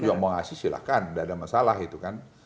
juga mau ngasih silahkan tidak ada masalah itu kan